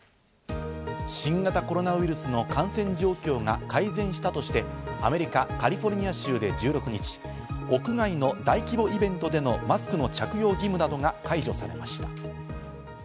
新型コロナウイルスの感染状況が改善したとして、アメリカ・カリフォルニア州で１６日、屋外の大規模イベントでのマスク着用の義務などが解除されました。